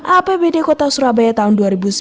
apbd kota surabaya tahun dua ribu sembilan belas